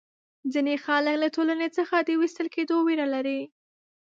ځینې خلک له ټولنې څخه د وېستل کېدو وېره لري.